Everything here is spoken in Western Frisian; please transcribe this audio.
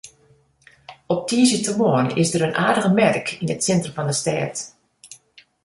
Op tiisdeitemoarn is der in aardige merk yn it sintrum fan de stêd.